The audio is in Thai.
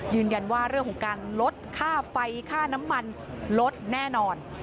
ยืนยันว่าเรื่องของการลดค่าไฟค่าน้ำมันลดแน่นอน